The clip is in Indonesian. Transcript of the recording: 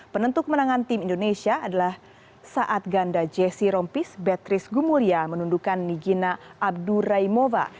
penentu kemenangan tim indonesia adalah saat ganda jesse rompis beatrice gumulya menundukan nigina abduraimova